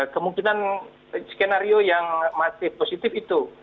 kemungkinan skenario yang masih positif itu